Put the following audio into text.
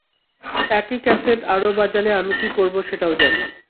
একই ক্যাসেট আরও বাজালে আমি কী করবো, সেটাও জানি।